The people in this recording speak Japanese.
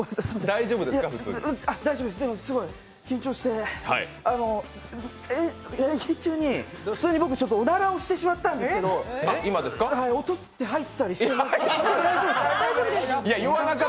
すごい緊張して、演技中に普通に僕、おならをしてしまったんですけど、音って入ったりしてませんか？